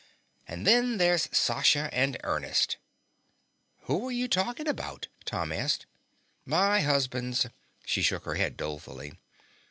And then there's Sasha and Ernest " "Who are you talking about?" Tom asked. "My husbands." She shook her head dolefully.